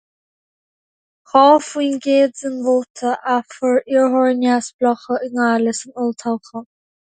Dhá faoin gcéad den vóta a fuair iarrthóirí neamhspleácha i nGaillimh san olltoghchán.